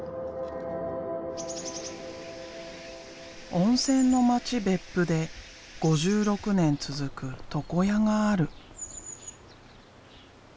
温泉の町別府で５６年続く床屋がある。